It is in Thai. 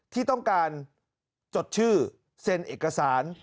ที่ต้องการจดชื่อเซ็นเอกสาร